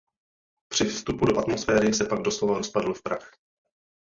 Při vstupu do atmosféry se pak doslova rozpadl v prach.